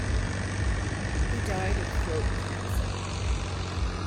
He died of throat cancer.